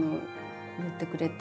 言ってくれて。